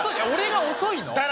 俺が遅いの？